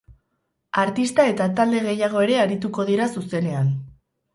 Artista eta talde gehiago ere arituko dira zuzenean.